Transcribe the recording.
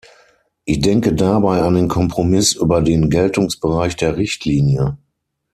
Ich denke dabei an den Kompromiss über den Geltungsbereich der Richtlinie.